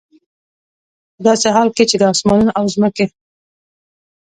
په داسي حال كي چي د آسمانونو او زمكي